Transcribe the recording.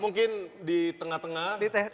mungkin di tengah tengah